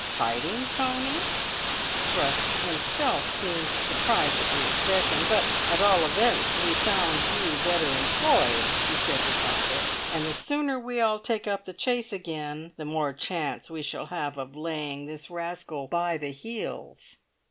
"Hiding, Tony?" Thrush himself seemed surprised at the expression. "But at all events we found you better employed," he said to Pocket, "and the sooner we all take up the chase again the more chance we shall have of laying this rascal by the heels."